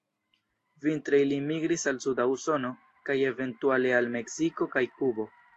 Vintre ili migris al suda Usono kaj eventuale al Meksiko kaj Kubo.